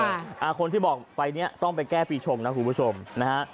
อ่าคนที่บอกไปเนี้ยต้องไปแก้ปีชงนะคุณผู้ชมนะฮะ